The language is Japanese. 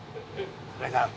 酒井さん